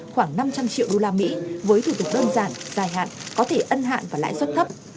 khoảng năm trăm linh triệu usd với thủ tục đơn giản dài hạn có thể ân hạn và lãi suất thấp